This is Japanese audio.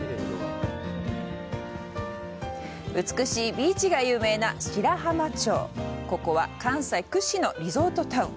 美しいビーチが有名な白浜町ここは関西屈指のリゾートタウン。